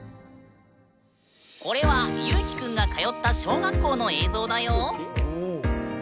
これはゆうきくんが通った小学校の映像だよ！